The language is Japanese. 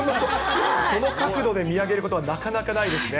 その角度で見上げることはなかなかないですね。